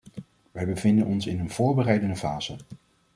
Wij bevinden ons in een voorbereidende fase.